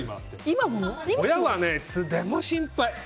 親はね、いつでも心配。